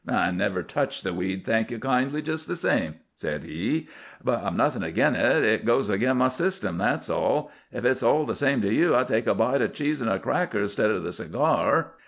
"I never touch the weed, thank you kindly just the same," said he. "But I've nothing agin it. It goes agin my system, that's all. If it's all the same to you, I'll take a bite o' cheese an' a cracker 'stead o' the cigar."